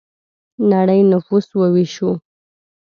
نړۍ نفوس وویشو.